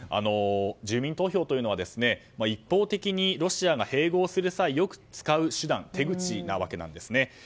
住民投票というのは一方的にロシアが併合する際よく使う手口なわけですね。